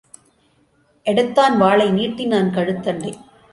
எடுத்தான் வாளை, நீட்டினான் கழுத்தண்டை.